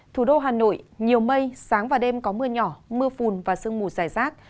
thủ đô hà nội nhiều mây sáng và đêm có mưa nhỏ mưa phùn và sương mù dài rác